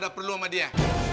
gue ada perlu sama dia